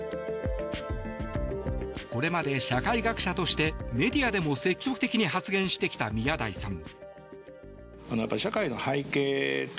これまで社会学者としてメディアでも積極的に発言してきた宮台さん。